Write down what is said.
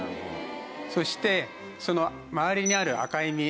そしてその周りにある赤い実。